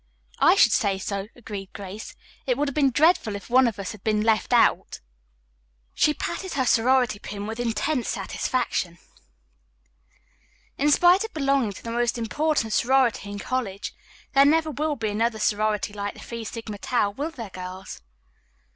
"I should say so," agreed Grace. "It would have been dreadful if one of us had been left out." She patted her sorority pin with intense satisfaction. "In spite of belonging to the most important sorority in college, there never will be another sorority like the Phi Sigma Tau, will there, girls?"